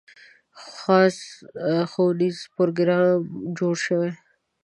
خاص ښوونیز پروګرام جوړ شوی.